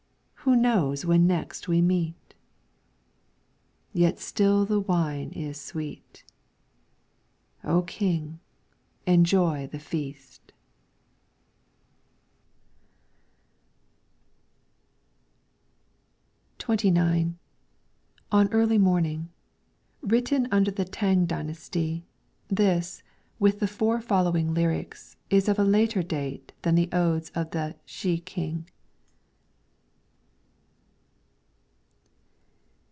Who knows when next we meet ? Yet still the wine is sweet. O King, enjoy the feast ! 32 LYRICS FROM THE CHINESE XXIX On early morning. Written under the T'ang dynasty ; this, with the four following' lyrics, is of a later date than the odes of the 'Shih King.'